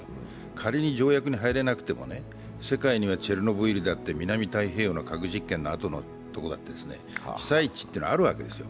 仮に条約に入れなくても、世界にはチェルノブイリだって、南太平洋の核実験の跡のとこだって被災地はあるわけですよ。